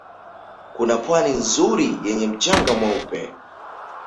Kuna Pwani nzuri yenye mchanga mweupe